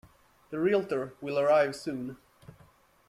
The Realtor will arrive soon.